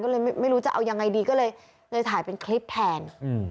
ก็เลยไม่รู้จะเอายังไงดีก็เลยถ่ายเป็นคลิปแทน